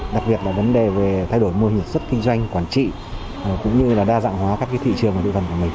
đặc biệt là vấn đề về thay đổi mô hình xuất kinh doanh quản trị cũng như là đa dạng hóa các thị trường và địa phần của mình